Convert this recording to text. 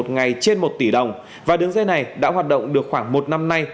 một ngày trên một tỷ đồng và đường dây này đã hoạt động được khoảng một năm nay